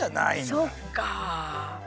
そっか。